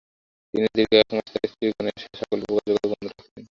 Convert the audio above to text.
তিনি দীর্ঘ এক মাস তার স্ত্রীগণের সাথে সকল প্রকার যোগাযোগ বন্ধ রাখলেন।